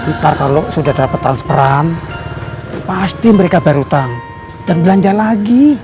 ntar kalau sudah dapat transferan pasti mereka baru utang dan belanja lagi